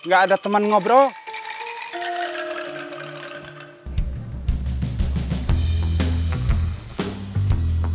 gak ada teman ngobrol